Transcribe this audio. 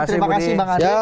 terima kasih bang adi